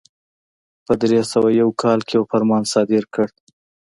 په درې سوه یو کال کې یو فرمان صادر کړ.